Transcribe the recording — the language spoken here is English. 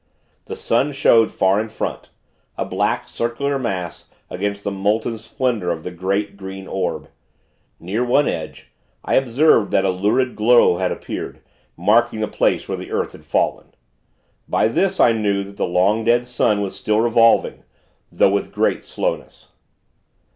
The sun showed far in front a black, circular mass, against the molten splendor of the great, Green Orb. Near one edge, I observed that a lurid glow had appeared, marking the place where the earth had fallen. By this, I knew that the long dead sun was still revolving, though with great slowness.